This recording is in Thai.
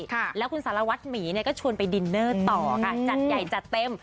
ค่ะแล้วคุณศารวรรภ์หมีเนี่ยก็ชวนไปต่อค่ะจัดใหญ่จัดเต็ม